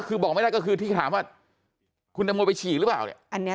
คือบอกไม่ได้ก็คือที่ถามว่าคุณตังโมไปฉี่หรือเปล่าเนี่ย